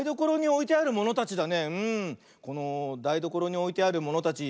このだいどころにおいてあるものたち